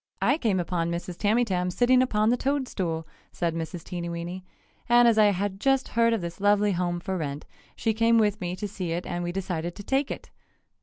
"I came upon Mrs. Tamytam sitting upon the toad stool," said Mrs. Teenyweeny, "and as I had just heard of this lovely home for rent, she came with me to see it and we decided to take it!"